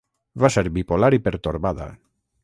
Va ser bipolar i pertorbada.